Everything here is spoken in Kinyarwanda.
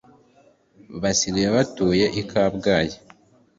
Basigaye batuye i kabgayi